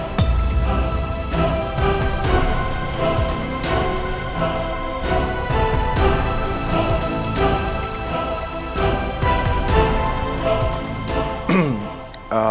untuk memahami bahwa